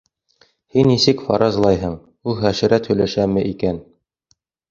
— Һин нисек фаразлайһың: ул хәшәрәт һөйләшәме икән?